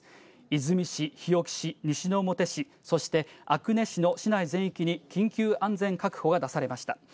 出水市、日置市、西之表市、そして阿久根市の市内全域に緊急安全確保が出されました。